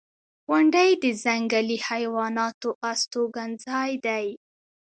• غونډۍ د ځنګلي حیواناتو استوګنځای دی.